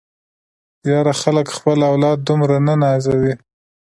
ياره خلک خپل اولاد دومره نه نازوي.